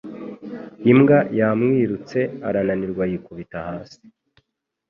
imbwa Ya mwirutse arananirwa yikubita hasi